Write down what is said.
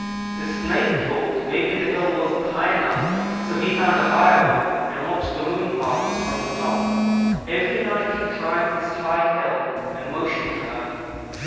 The Snake thought maybe the hill wasn't high enough, so he found a higher one, and watched the Moon pass, from the top. Every night he climbed this high hill and motioned to her.